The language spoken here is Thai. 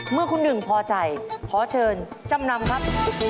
เมื่อคุณหนึ่งพอใจขอเชิญจำนำครับ